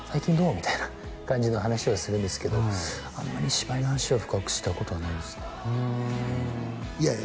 みたいな感じの話はするんですけどあんまり芝居の話を深くしたことはないですねふんいやいや